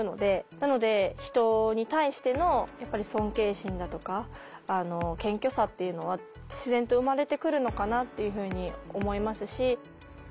なので人に対してのやっぱり尊敬心だとか謙虚さっていうのは自然と生まれてくるのかなっていうふうに思いますし。